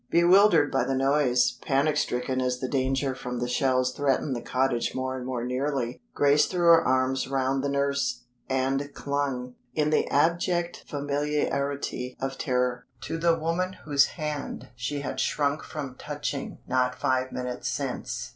Bewildered by the noise, panic stricken as the danger from the shells threatened the cottage more and more nearly, Grace threw her arms round the nurse, and clung, in the abject familiarity of terror, to the woman whose hand she had shrunk from touching not five minutes since.